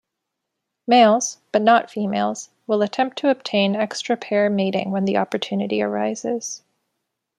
Males, but not females, will attempt to obtain extra-pair mating when the opportunity arises.